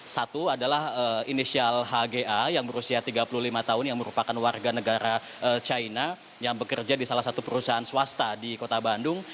satu adalah inisial hga yang berusia tiga puluh lima tahun yang merupakan warga negara china yang bekerja di salah satu perusahaan swasta di kota bandung